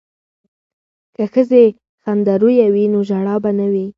که ښځې خندرویه وي نو ژړا به نه وي.